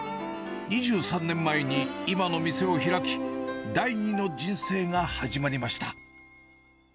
２３年前に今の店を開き、第二の人生が始まりました。